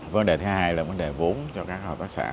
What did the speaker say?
vấn đề thứ hai là vốn cho các hợp tác xã